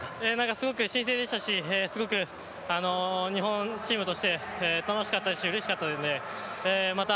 すごく新鮮でしたし、すごく日本チームとして楽しかったですし、うれしかったのでまた